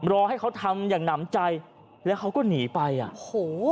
รอให้เขาทำอย่างหนำใจแล้วเขาก็หนีไปอ่ะโอ้โห